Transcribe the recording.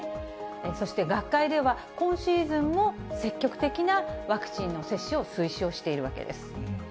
そして、学会では今シーズンも、積極的なワクチンの接種を推奨しているわけです。